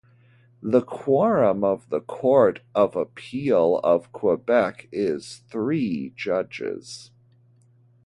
The quorum of the Court of Appeal of Quebec is three judges.